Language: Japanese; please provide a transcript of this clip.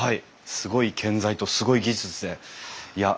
すごい建材とすごい技術でいや